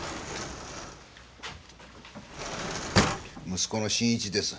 息子の伸一です。